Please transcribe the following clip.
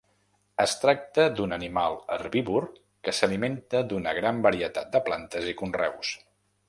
Es tracta d'un animal herbívor que s'alimenta d'una gran varietat de plantes i conreus.